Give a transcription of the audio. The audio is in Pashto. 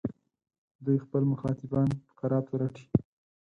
دوی خپل مخاطبان په کراتو رټي.